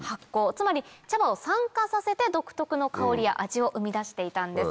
つまり茶葉を酸化させて独特の香りや味を生み出していたんです。